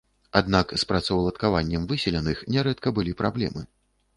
Аднак з працаўладкаваннем выселеных нярэдка былі праблемы.